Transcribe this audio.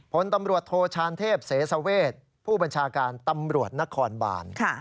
ผลตำรวจโทชานเทพเสสเวชผู้บัญชาการตำรวจนครบาน